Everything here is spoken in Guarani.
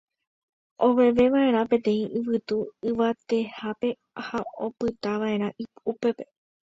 Oveveva'erã peteĩ yvyty yvatevehápe ha opytava'erã upépe.